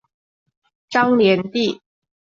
张联第。